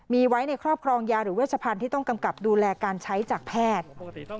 มีไว้ในครอบครองยาหรือเวชพันธุ์ที่ต้องกำกับดูแลการใช้จากแพทย์